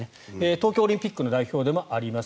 東京オリンピックの代表でもあります